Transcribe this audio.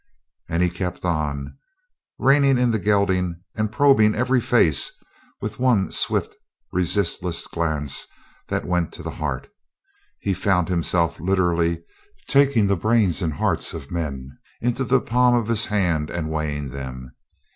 And he kept on, reining in the gelding, and probing every face with one swift, resistless glance that went to the heart. He found himself literally taking the brains and hearts of men into the palm of his hand and weighing them.